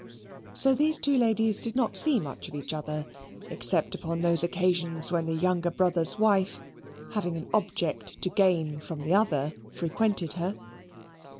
So these two ladies did not see much of each other except upon those occasions when the younger brother's wife, having an object to gain from the other, frequented her.